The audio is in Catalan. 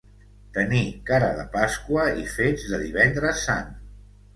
Tenir cara de Pasqua i fets de Divendres Sant.